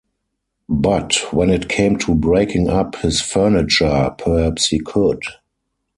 But when it came to breaking up his furniture, perhaps he could!